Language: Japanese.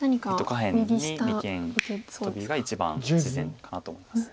下辺に二間トビが一番自然かなと思います。